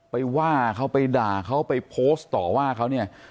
ไปว่าเขาไปด่าเขาไปโพสต่อว่าเขา